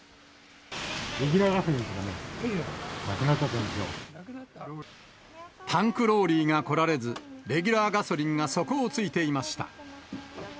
レギュラーガソリンがなくなタンクローリーが来られず、レギュラーガソリンが底をついていました。